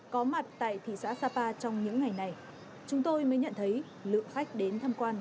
có mặt tại thị xã sapa trong những ngày này chúng tôi mới nhận thấy lượng khách đến tham quan